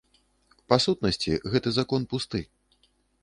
Па сутнасці, гэты закон пусты.